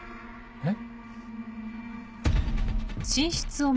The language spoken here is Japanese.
えっ？